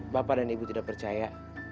bapak dan ibu tidak percaya